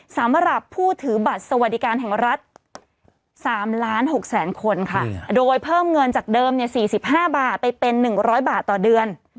สำหรับผู้ถือบัตรสวัสดิการแห่งรัฐ๓๖๐๐๐คนค่ะโดยเพิ่มเงินจากเดิม๔๕บาทไปเป็น๑๐๐บาทต่อเดือน